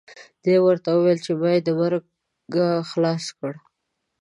دې ورته وویل ما یې د مرګه خلاص کړ.